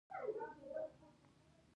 دا ټولې غیر اکتسابي ځانګړتیاوې ګڼل کیږي.